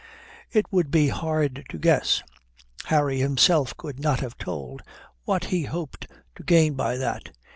It would be hard to guess Harry himself could not have told what he hoped to gain by that.